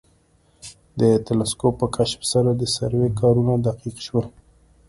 د تلسکوپ په کشف سره د سروې کارونه دقیق شول